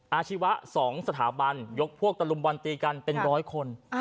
อาชีวะ๒สถาบันยกพวกตะลุมบอลตีกันเป็นร้อยคน